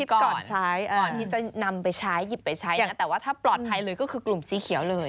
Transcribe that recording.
ก่อนใช้ก่อนที่จะนำไปใช้หยิบไปใช้แต่ว่าถ้าปลอดภัยเลยก็คือกลุ่มสีเขียวเลย